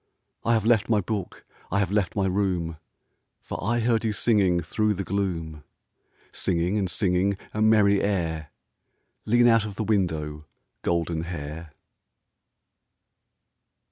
I have left my book, I have left my room, For I heard you singing Through the gloom. Singing and singing A merry air. Lean out of the window, Goldenhair.